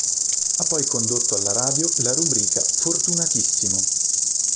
Ha poi condotto alla radio la rubrica "Fortunatissimo".